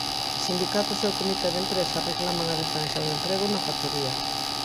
Sindicatos e o comité de empresa reclaman a defensa do emprego na factoría.